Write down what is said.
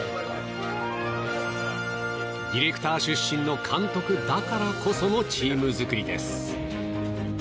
ディレクター出身の監督だからこそのチーム作りです。